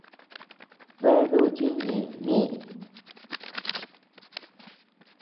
Bea duchi ñeʼe lï.